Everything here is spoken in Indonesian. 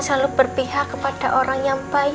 selalu berpihak kepada orang yang baik